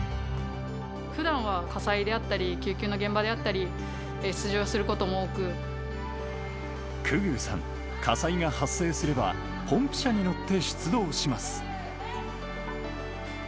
ふだんは火災であったり、救急の現場であったり、久々宇さん、火災が発生すれば、ポンプ車に乗って出動します。